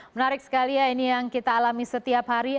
menarik sekali ya ini yang kita alami setiap hari